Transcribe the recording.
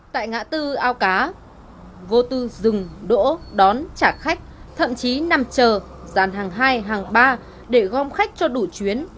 tại ngã tư ao cá vô tư dừng đỗ đón trả khách thậm chí nằm chờ dàn hàng hai hàng ba để gom khách cho đủ chuyến